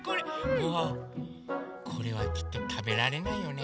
うわこれはきっとたべられないよね。